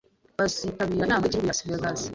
Bazitabira inama yigihugu i Las Vegas.